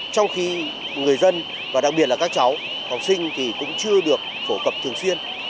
trong khi người dân và đặc biệt là các cháu học sinh thì cũng chưa được phổ cập thường xuyên